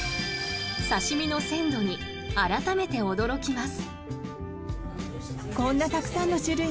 刺し身の鮮度に改めて驚きます。